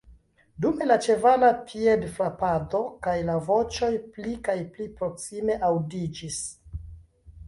Dume la ĉevala piedfrapado kaj la voĉoj pli kaj pli proksime aŭdiĝis.